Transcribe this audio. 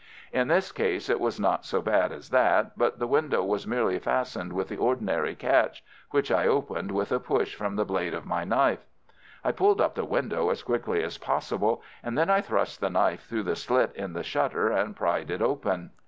In this case it was not so bad as that, but the window was merely fastened with the ordinary catch, which I opened with a push from the blade of my knife. I pulled up the window as quickly as possible, and then I thrust the knife through the slit in the shutter and prized it open.